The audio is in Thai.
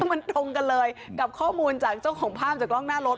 มันตรงกันเลยกับข้อมูลจากเจ้าของภาพจากกล้องหน้ารถ